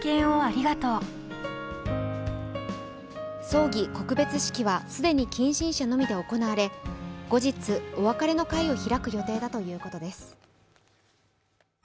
葬儀・告別式は既に近親者のみで行われ、後日、お別れの会を開く予定だということです。